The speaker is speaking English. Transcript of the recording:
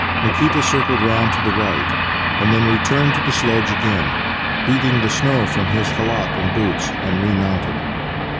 Nikita circled round to the right, and then returned to tlie sledge again, beat the snow from his khalat and boots, and remounted.